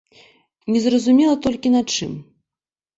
Незразумела толькі, на чым.